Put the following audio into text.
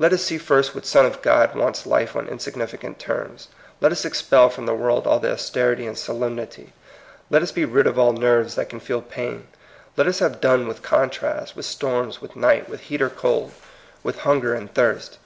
Let us see first what son of God wants life on insignificant terms. Let us expel from the world all the austerity and solem nity. Let us be rid of all nerves that can feel pain. Let us have done with con trasts, with storms, with night, with heat or cold, with hunger and thirst.